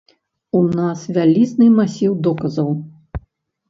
У нас вялізны масіў доказаў.